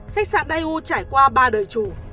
khách sạn daewoo trải qua ba đời chủ